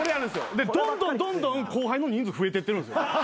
でどんどんどんどん後輩の人数増えていってるんす。